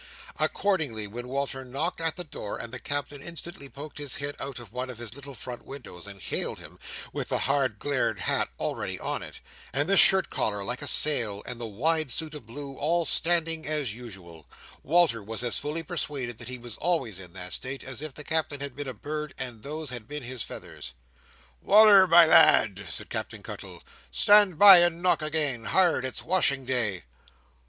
Accordingly, when Walter knocked at the door, and the Captain instantly poked his head out of one of his little front windows, and hailed him, with the hard glared hat already on it, and the shirt collar like a sail, and the wide suit of blue, all standing as usual, Walter was as fully persuaded that he was always in that state, as if the Captain had been a bird and those had been his feathers. "Wal"r, my lad!" said Captain Cuttle. "Stand by and knock again. Hard! It's washing day."